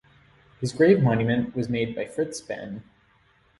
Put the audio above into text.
His grave monument was made by Fritz Behn.